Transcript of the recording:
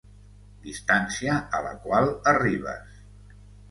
Distància a la qual arribes.